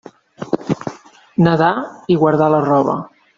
Nadar i guardar la roba.